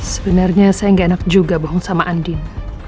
sebenernya saya gak enak juga bohong sama andin